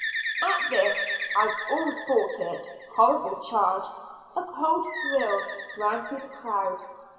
At this, as all thought it, horrible charge, a cold thrill ran through the crowd.